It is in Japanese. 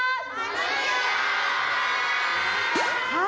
はい。